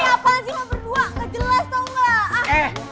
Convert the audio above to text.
ih apaan sih lo berdua gak jelas tau gak